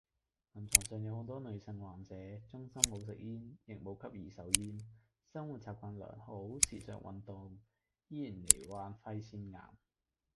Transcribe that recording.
臨床上好多女性患者，終生冇食煙亦冇吸二手煙，生活習慣良好時常運動，依然罹患肺腺癌